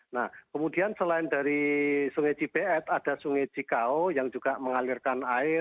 nah kemudian selain dari sungai cibeet ada sungai cikau yang juga mengalirkan air